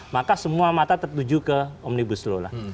maka semua mata tertuju ke omnibus law lah